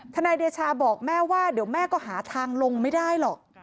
นายเดชาบอกแม่ว่าเดี๋ยวแม่ก็หาทางลงไม่ได้หรอก